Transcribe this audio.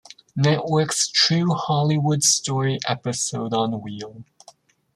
Network's "True Hollywood Story" episode on "Wheel".